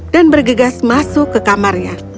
dan bergegas masuk ke kamarnya